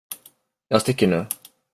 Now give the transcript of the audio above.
Jag sticker nu.